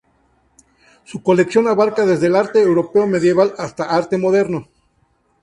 Su colección abarca desde el arte europeo medieval hasta arte moderno.